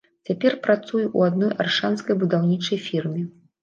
Цяпер працую ў адной аршанскай будаўнічай фірме.